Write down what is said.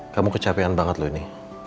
kamu kecapean banget loh ini